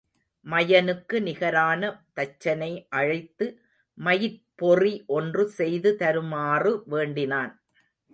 மயனுக்கு நிகரான தச்சனை அழைத்து மயிற் பொறி ஒன்று செய்து தருமாறு வேண்டினான்.